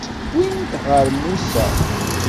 Wwin-t ɣer Musa.